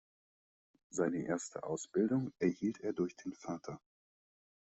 Seine erste Ausbildung erhielt er durch den Vater.